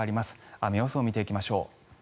雨予想を見ていきましょう。